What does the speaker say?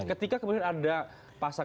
ketika kemudian ada pasangan